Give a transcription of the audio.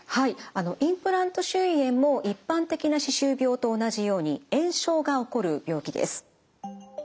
あのインプラント周囲炎も一般的な歯周病と同じように炎症が起こる病気です。